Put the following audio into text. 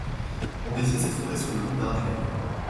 On désigne cette forêt sous le nom d'Arduenne.